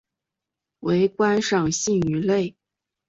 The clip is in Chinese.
为观赏性鱼类。